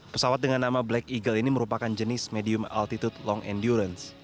pesawat dengan nama black eagle ini merupakan jenis medium altitude long endurance